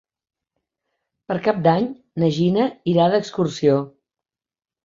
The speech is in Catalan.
Per Cap d'Any na Gina irà d'excursió.